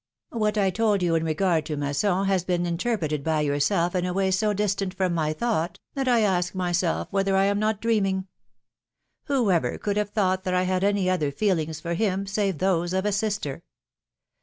What I told you in regard to Masson has been interpreted by yourself in a way so distant from my thought, that I ask myself whether I am not dreaming? Who ever could have thought that I had any other feelings for him, save those of a sister?